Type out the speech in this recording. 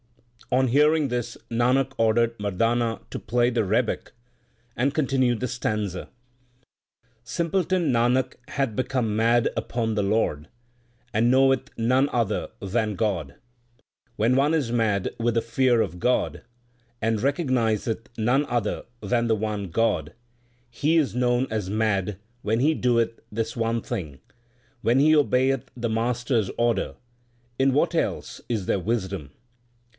On hearing this Nanak ordered Mardana to play the rebeck and continued the stanza : 1 Sri Rag. LIFE OF GURU NANAK 37 Simpleton Nanak hath become mad upon the Lord. 1 And knoweth none other than God. When one is mad with the fear of God, And recognizeth none other than the one God, He is known as mad when he doeth this one thing When he obeyeth the Master s order in what else is there wisdom